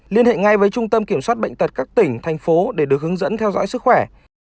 liên hệ ngay với trung tâm kiểm soát bệnh tật các tỉnh thành phố để được hướng dẫn theo dõi sức khỏe